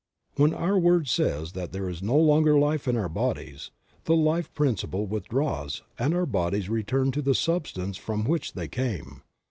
When our word says that there is no longer life in our bodies, the life principle withdraws and our bodies return to the substance from which they came.